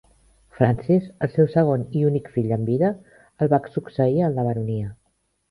Francis, el seu segon i únic fill amb vida, el va succeir en la baronia.